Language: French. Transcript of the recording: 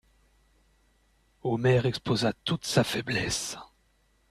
Omer exposa toute sa faiblesse.